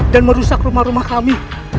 dan merusak rumah rumah kami